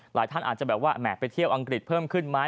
หลายท่านอาจจะแหมดไปเที่ยวอังกฤษเพิ่มขึ้นไหม